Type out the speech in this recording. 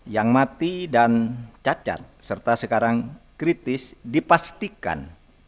yang mati dan cacat serta sekarang kritis dipastikan